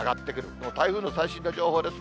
この台風の最新の情報です。